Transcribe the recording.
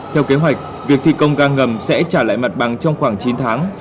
theo kế hoạch việc thi công ga ngầm sẽ trả lại mặt bằng trong khoảng chín tháng